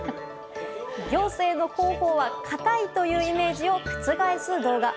行政の広報は堅いというイメージを覆す動画。